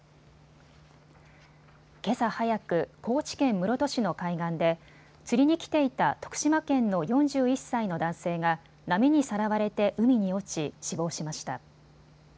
けさ早く高知県室戸市の海岸で釣りに来ていた徳島県の４１歳の男性が波にさらわれて海に落ち、死亡しました。